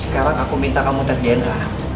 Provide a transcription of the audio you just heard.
sekarang aku minta kamu tes dna